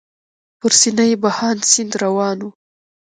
پر سینه یې بهاند سیند روان و.